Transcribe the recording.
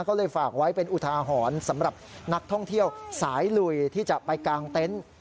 ก็เลยฝากไว้เป็นอุทาหรณ์สำหรับนักท่องเที่ยวสายลุยที่จะไปกางเต็นต์